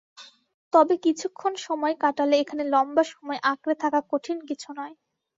তবে কিছুক্ষণ সময় কাটালে এখানে লম্বা সময় আঁকড়ে থাকা কঠিন কিছু নয়।